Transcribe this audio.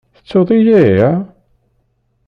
Tettuḍ-iyi ya?